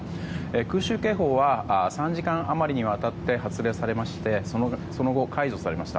空襲警報は３時間余りにわたって発令されましてその後、解除されました。